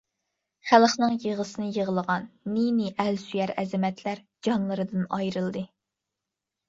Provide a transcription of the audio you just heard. خەلقنىڭ يىغىسىنى يىغلىغان نى-نى ئەل سۆيەر ئەزىمەتلەر جانلىرىدىن ئايرىلدى.